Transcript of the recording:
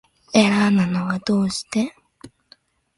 エラーなのはどうして